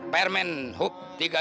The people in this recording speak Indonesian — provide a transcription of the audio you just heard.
permen huk tiga puluh dua